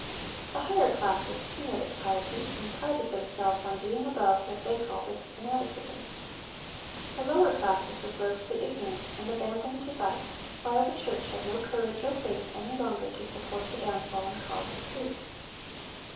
The higher classes sneered at piety, and prided themselves on being above what they called its fanaticism. The lower classes were grossly ignorant, and abandoned to vice, while the church had no courage or faith any longer to support the downfallen cause of truth.